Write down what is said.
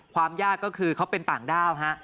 ความยากก็คือเขาเป็นต่างด้าวฮะ